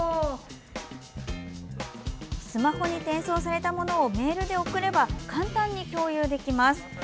スマホに転送されたものをメールで送れば簡単に共有できます。